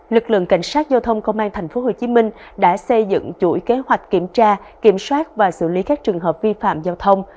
lực lượng cảnh sát giao thông công an tp hcm đã xây dựng chuỗi kế hoạch kiểm tra kiểm soát và xử lý các trường hợp vi phạm giao thông